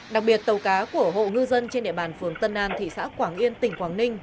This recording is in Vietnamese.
đặc biệt tàu cá của hộ ngư dân trên địa bàn phường tân an thị xã quảng yên tỉnh quảng ninh